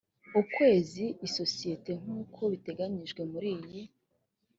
ukwezi isosiyete nk uko biteganyijwe muri iyi